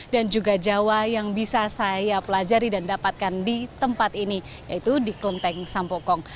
dan juga jawa yang bisa saya pelajari dan dapatkan di tempat ini yaitu di kelenteng sampokong